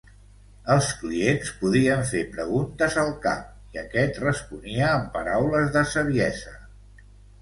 Els clients podien fer preguntes al cap i aquest responia amb paraules de saviesa.